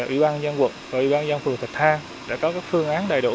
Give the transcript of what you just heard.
ủy ban dân quận và ủy ban dân phường thạch thang đã có các phương án đầy đủ